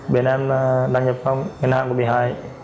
bên em đang nhập vào ngân hàng của bì hải